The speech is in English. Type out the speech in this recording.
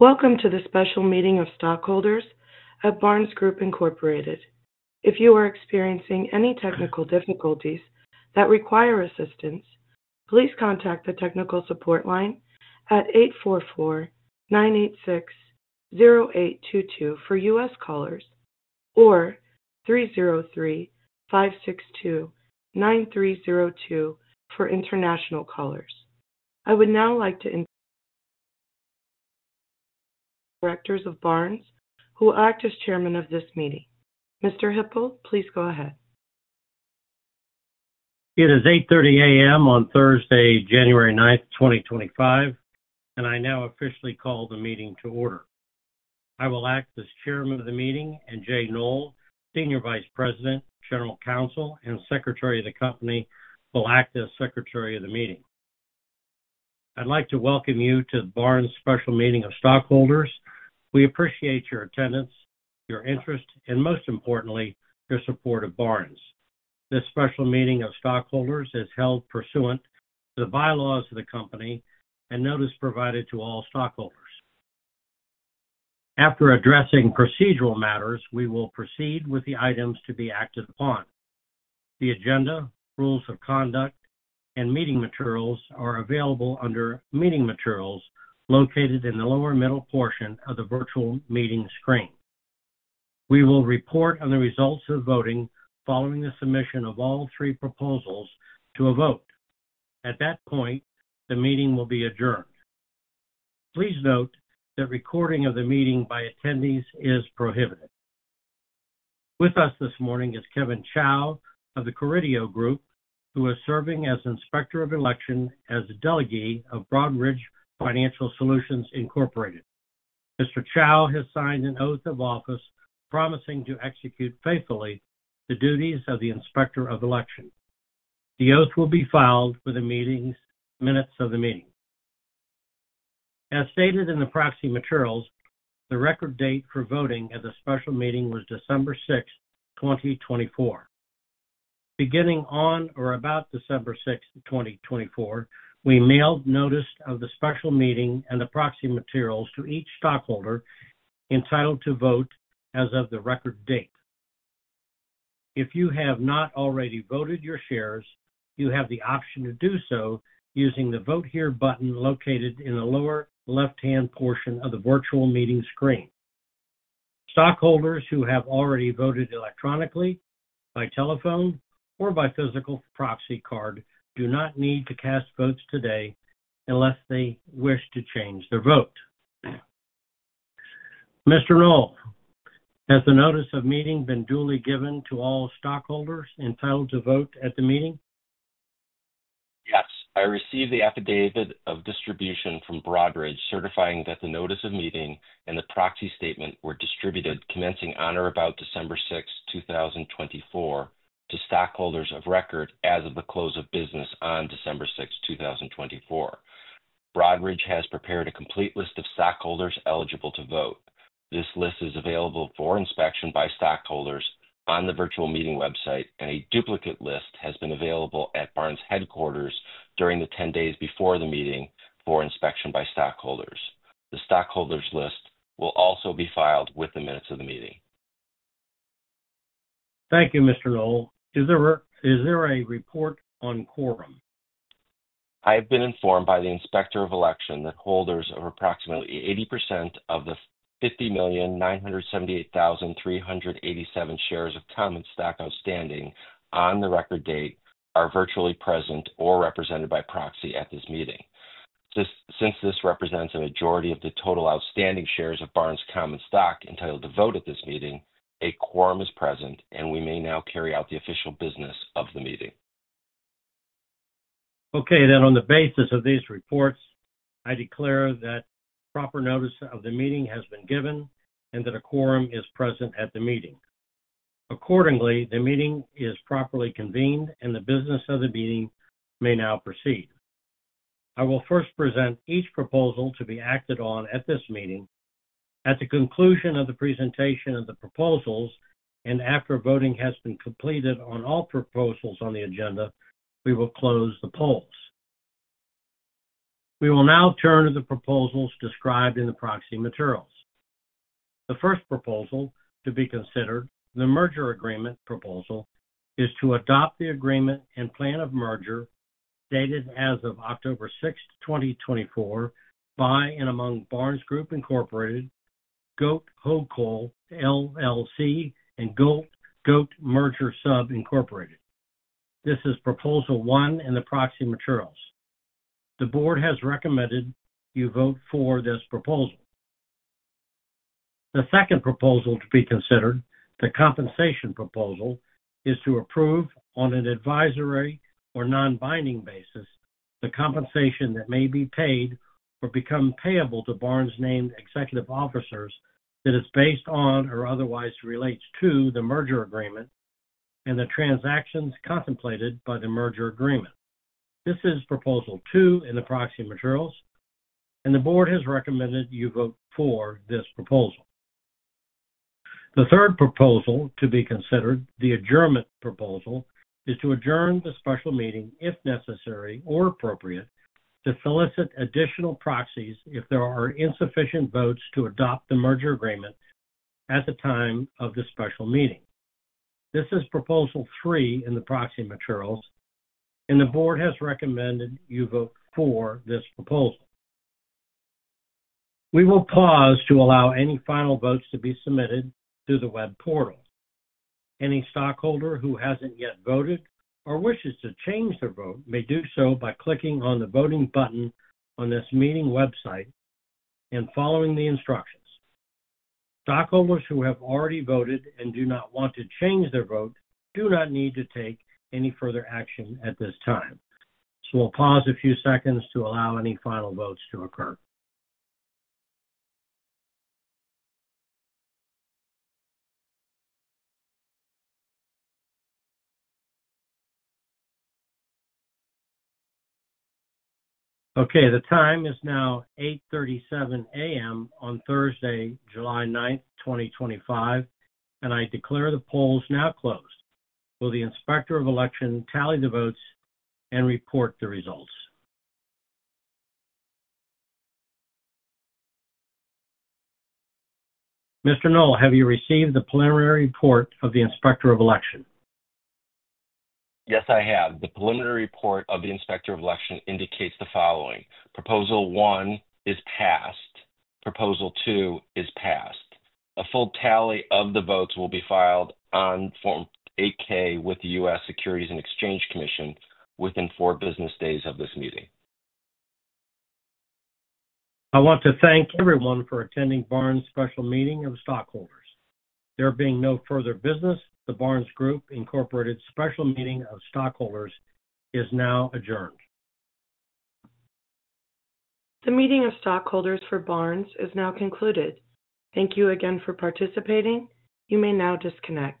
Welcome to the special meeting of stockholders at Barnes Group Incorporated. If you are experiencing any technical difficulties that require assistance, please contact the technical support line at 844-986-0822 for U.S. callers, or 303-562-9302 for international callers. I would now like to invite the Directors of Barnes, who act as Chairmen of this meeting. Mr. Hipple, please go ahead. It is 8:30 A.M. on Thursday, January 9th, 2025, and I now officially call the meeting to order. I will act as Chairman of the meeting, and Jay Knoll, Senior Vice President, General Counsel, and Secretary of the company, will act as secretary of the meeting. I'd like to welcome you to the Barnes special meeting of stockholders. We appreciate your attendance, your interest, and most importantly, your support of Barnes. This special meeting of stockholders is held pursuant to the bylaws of the company, and notice provided to all stockholders. After addressing procedural matters, we will proceed with the items to be acted upon. The agenda, rules of conduct, and meeting materials are available under Meeting Materials, located in the lower middle portion of the virtual meeting screen. We will report on the results of voting following the submission of all three proposals to a vote. At that point, the meeting will be adjourned. Please note that recording of the meeting by attendees is prohibited. With us this morning is Kevin Chow of the Carideo Group, who is serving as inspector of election as a delegate of Broadridge Financial Solutions Incorporated. Mr. Chow has signed an oath of office promising to execute faithfully the duties of the inspector of election. The oath will be filed for the meeting's minutes of the meeting. As stated in the proxy materials, the record date for voting at the special meeting was December 6th, 2024. Beginning on or about December 6th, 2024, we mailed notice of the special meeting and the proxy materials to each stockholder entitled to vote as of the record date. If you have not already voted your shares, you have the option to do so using the Vote Here button located in the lower left-hand portion of the virtual meeting screen. Stockholders who have already voted electronically, by telephone, or by physical proxy card do not need to cast votes today unless they wish to change their vote. Mr. Knoll, has the notice of meeting been duly given to all stockholders entitled to vote at the meeting? Yes. I received the affidavit of distribution from Broadridge certifying that the notice of meeting and the proxy statement were distributed commencing on or about December 6th, 2024, to stockholders of record as of the close of business on December 6th, 2024. Broadridge has prepared a complete list of stockholders eligible to vote. This list is available for inspection by stockholders on the virtual meeting website, and a duplicate list has been available at Barnes headquarters during the 10 days before the meeting for inspection by stockholders. The stockholders' list will also be filed with the minutes of the meeting. Thank you, Mr. Knoll. Is there a report on quorum? I have been informed by the inspector of election that holders of approximately 80% of the 50,978,387 shares of common stock outstanding on the record date are virtually present or represented by proxy at this meeting. Since this represents a majority of the total outstanding shares of Barnes common stock entitled to vote at this meeting, a quorum is present, and we may now carry out the official business of the meeting. Okay. Then, on the basis of these reports, I declare that proper notice of the meeting has been given and that a quorum is present at the meeting. Accordingly, the meeting is properly convened, and the business of the meeting may now proceed. I will first present each proposal to be acted on at this meeting. At the conclusion of the presentation of the proposals and after voting has been completed on all proposals on the agenda, we will close the polls. We will now turn to the proposals described in the proxy materials. The first proposal to be considered, the merger agreement proposal, is to adopt the agreement and plan of merger dated as of October 6th, 2024, by and among Barnes Group Incorporated, Goat Holdco, LLC, and Goat Merger Sub, Incorporated This is proposal one in the proxy materials. The board has recommended you vote for this proposal. The second proposal to be considered, the compensation proposal, is to approve on an advisory or non-binding basis the compensation that may be paid or become payable to Barnes named executive officers that is based on or otherwise relates to the merger agreement and the transactions contemplated by the merger agreement. This is proposal two in the proxy materials, and the board has recommended you vote for this proposal. The third proposal to be considered, the adjournment proposal, is to adjourn the special meeting if necessary or appropriate to solicit additional proxies if there are insufficient votes to adopt the merger agreement at the time of the special meeting. This is proposal three in the proxy materials, and the board has recommended you vote for this proposal. We will pause to allow any final votes to be submitted through the web portal. Any stockholder who hasn't yet voted or wishes to change their vote may do so by clicking on the voting button on this meeting website and following the instructions. Stockholders who have already voted and do not want to change their vote do not need to take any further action at this time. So we'll pause a few seconds to allow any final votes to occur. Okay. The time is now 8:37 A.M. on Thursday, July 9th, 2025, and I declare the polls now closed. Will the inspector of election tally the votes and report the results? Mr. Knoll, have you received the preliminary report of the inspector of election? Yes, I have. The preliminary report of the inspector of election indicates the following: Proposal One is passed. Proposal Two is passed. A full tally of the votes will be filed on Form 8-K with the U.S. Securities and Exchange Commission within four business days of this meeting. I want to thank everyone for attending Barnes special meeting of stockholders. There being no further business, the Barnes Group Incorporated special meeting of stockholders is now adjourned. The meeting of stockholders for Barnes is now concluded. Thank you again for participating. You may now disconnect.